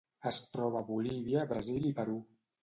Es troba a Bolívia, Brasil i Perú.